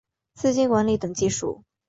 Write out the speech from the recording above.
资金管理等技术